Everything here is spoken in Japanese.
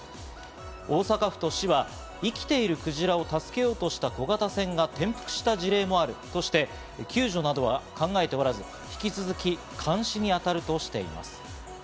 大阪府と市は、生きているクジラを助けようとした小型船が転覆した事例もあるとして、救助などは考えておらず、引き続き監視にあたるとしています。